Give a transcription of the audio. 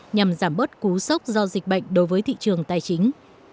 nhằm giảm bớt cú sốc do dịch bệnh đối với thị trường tài chính